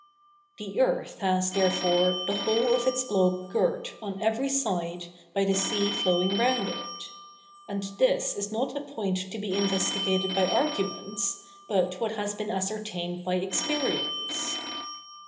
The earth has, therefore, the whole of its globe girt, on every side, by the sea flowing round it. And this is not a point to be investigated by arguments, but what has been ascertained by experience.